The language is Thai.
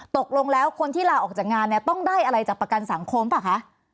ตกลงแล้วคนที่ลาออกจากงานเนี่ยต้องได้อะไรจากประกันสังคมป่ะคะ